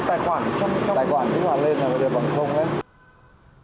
cứ tài khoản kích hoạt lên là bằng không ạ